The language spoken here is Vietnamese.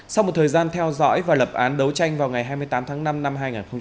sau một thời gian theo dõi và lập án đấu tranh vào ngày hai mươi tám tháng năm năm hai nghìn hai mươi ba